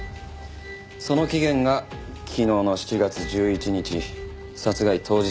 その期限が昨日の７月１１日殺害当日だ。